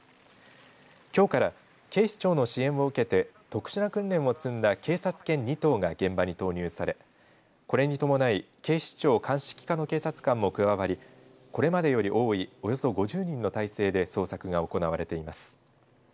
きょうから警視庁の支援を受けて特殊な訓練を積んだ警察犬２頭が現場に投入されこれに伴い、警視庁鑑識課の警察官も加わりこれまでより多いおよそ５０人の態勢で捜索が行われています。